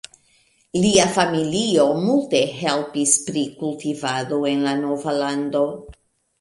Lia familio multe helpis pri kultivado en la nova lando.